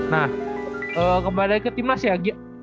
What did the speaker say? nah kembali ke timnas ya